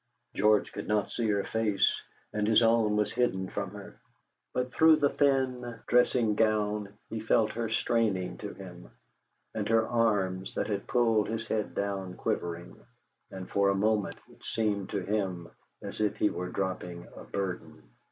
George could not see her face, and his own was hidden from her, but through the thin dressing gown he felt her straining to him, and her arms that had pulled his head down quivering; and for a moment it seemed to him as if he were dropping a burden.